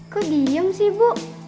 kok diem sih bu